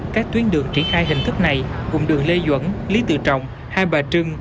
các tuyến đường triển khai hình thức này gồm đường lê duẩn lý tự trọng hai bà trưng